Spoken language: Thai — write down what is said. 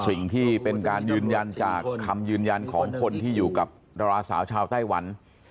สิ่งที่เป็นการยืนยันจากคำยืนยันของคนที่อยู่กับดาราสาวชาวไต้หวัน